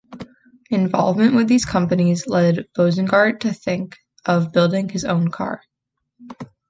Involvement with these companies led Rosengart to think of building his own car.